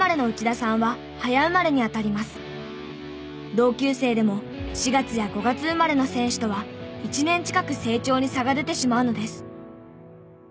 同級生でも４月や５月生まれの選手とは１年近く成長に差が出てしまうのです。